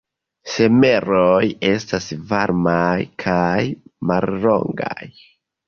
Someroj estas varmaj kaj mallongaj.